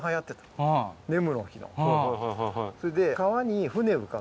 それで。